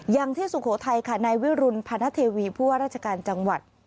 สุโขทัยค่ะนายวิรุณพนเทวีผู้ว่าราชการจังหวัด